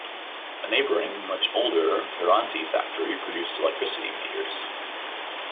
A neighbouring, much older, Ferranti factory produced electricity meters.